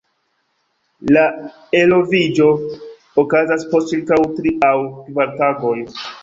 La eloviĝo okazas post ĉirkaŭ tri aŭ kvar tagoj.